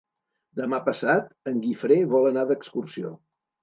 Demà passat en Guifré vol anar d'excursió.